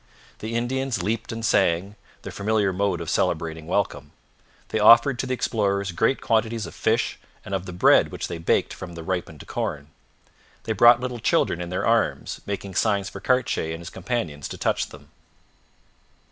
The Indians leaped and sang, their familiar mode of celebrating welcome. They offered to the explorers great quantities of fish and of the bread which they baked from the ripened corn. They brought little children in their arms, making signs for Cartier and his companions to touch them.